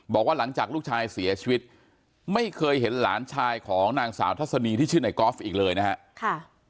บอกว่าหลังจากลูกชายเสียชีวิตไม่เคยเห็นหลานชายของนางสาวทัศนีที่ชื่อในกอล์ฟอีกเลยนะครับ